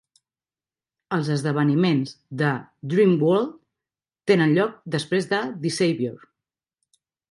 Els esdeveniments de Dream World tenen lloc després de "The Savior".